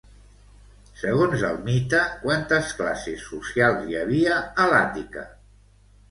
Segons el mite, quantes classes socials hi havia a l'Àtica?